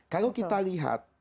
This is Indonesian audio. kalau kita lihat